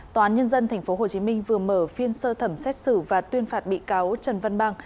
tòa án nhân dân tp hcm vừa mở phiên sơ thẩm xét xử và tuyên phạt bị cáo trần văn